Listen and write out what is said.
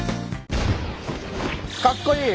かっこいい！